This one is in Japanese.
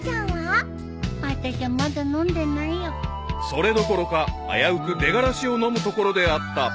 ［それどころか危うく出がらしを飲むところであった］